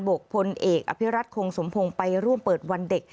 กพลเอกอภิรัตคงสมพงศ์ไปร่วมเปิดวันเด็ก